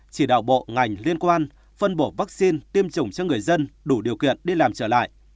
chỉ đạo bộ ngành liên quan phân bổ vaccine tiêm chủng cho người dân đủ điều kiện đi làm trở lại